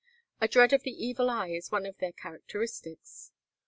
A dread of the evil eye is one of their characteristics.